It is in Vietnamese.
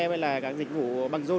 với các dịch vụ băng rôn